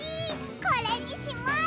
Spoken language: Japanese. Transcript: これにします！